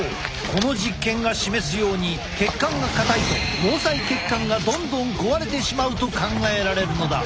この実験が示すように血管が硬いと毛細血管がどんどん壊れてしまうと考えられるのだ。